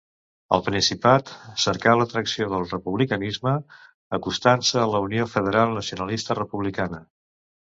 Al Principat, cercà l'atracció del republicanisme, acostant-se a la Unió Federal Nacionalista Republicana.